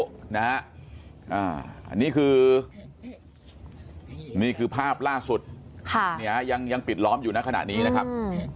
อันนี้คือภาพล่าสุดยังปิดล้อมอยู่ขนาดนี้นะครับ